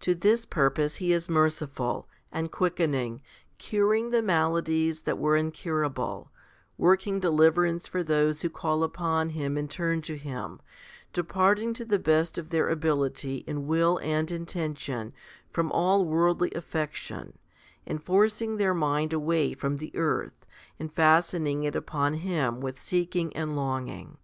To this purpose He is merciful, and quickening, curing the maladies that were incurable, working deliverance for those who call upon Him and turn to Him, departing to the best of their ability in will and intention from all worldly affection, and forcing their mind away from the earth, and fastening it upon Him with seeking and longing.